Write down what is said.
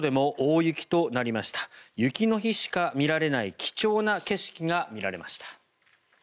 雪の日しか見られない貴重な景色が見られました。